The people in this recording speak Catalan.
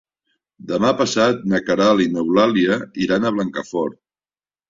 Demà passat na Queralt i n'Eulàlia iran a Blancafort.